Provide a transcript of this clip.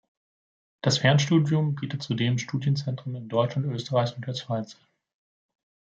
Das Fernstudium bietet zudem Studienzentren in Deutschland, Österreich und der Schweiz an.